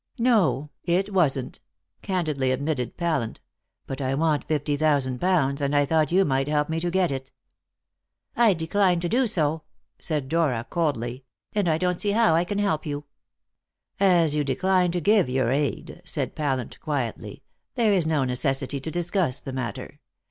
"No, it wasn't," candidly admitted Pallant; "but I want fifty thousand pounds, and I thought you might help me to get it." "I decline to do so," said Dora coldly; "and I don't see how I can help you." "As you decline to give your aid," said Pallant quietly, "there is no necessity to discuss the matter.